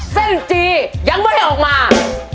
เส้นจียังไม่ได้ออกมา